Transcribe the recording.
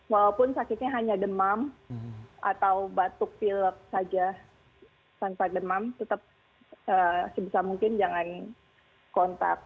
walaupun sakitnya hanya demam atau batuk pilek saja tanpa demam tetap sebisa mungkin jangan kontak